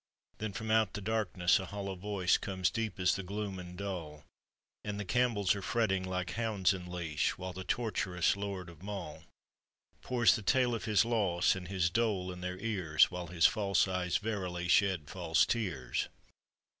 Then from out the dai kne^s a hollow voice Comes deep as the gloom and dull, And the Campbells are fretting like hounds in leash, While the tortuous lord of Mull Pours the tale of his loss and his dole in their ears While his false eyes verily shed false tears.